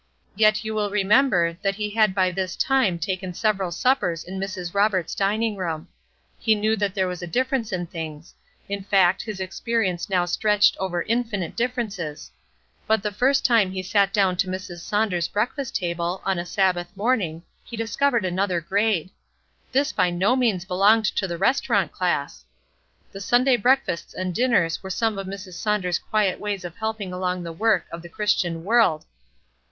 Yet you will remember that he had by this time taken several suppers in Mrs. Roberts' dining room. He knew that there was a difference in things; in fact, his experience now stretched over infinite differences; but the first time he sat down to Mrs. Saunders' breakfast table, on a Sabbath morning, he discovered another grade: this by no means belonged to the restaurant class? The Sunday breakfasts and dinners were some of Mrs. Saunders' quiet ways of helping along the work of the Christian world.